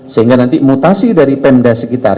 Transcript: sehingga nanti mutasi dari pemda sekitar